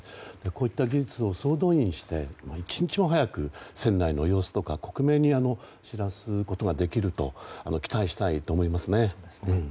こういった技術を総動員して一日も早く船内の様子とか克明に知らせることができると期待したいと思います。